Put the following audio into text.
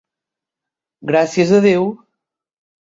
Gràcies a Déu!